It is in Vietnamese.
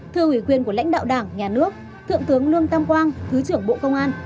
thưa ủy quyền của lãnh đạo đảng nhà nước thượng tướng lương tam quang thứ trưởng bộ công an